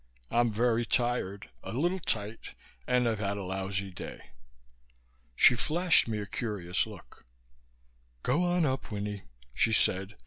I'm very tired, a little tight and I've had a lousy day." She flashed me a curious look. "Go on up, Winnie," she said.